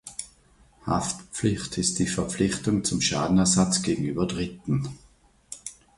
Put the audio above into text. Haftpflicht ist die Verpflichtung zum Schadenersatz gegenüber Dritten.